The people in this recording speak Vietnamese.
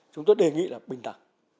chúng tôi đề nghị là bình tắc